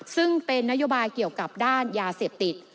ซึ่งเป็นนโยบายเกี่ยวกับด้านยาเสพติด